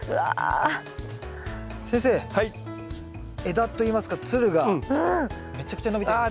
枝といいますかつるがめちゃくちゃ伸びてます。